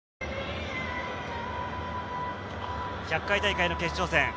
１００回大会の決勝戦。